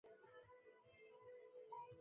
西南政法学院。